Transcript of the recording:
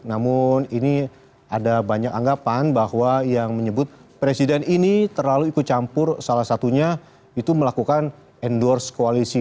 namun ini ada banyak anggapan bahwa yang menyebut presiden ini terlalu ikut campur salah satunya itu melakukan endorse koalisi